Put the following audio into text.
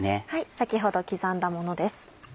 先ほど刻んだものです。